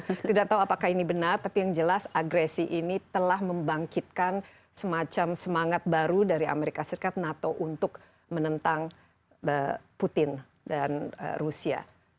kita tidak tahu apakah ini benar tapi yang jelas agresi ini telah membangkitkan semacam semangat baru dari amerika serikat nato untuk menentang putin dan rusia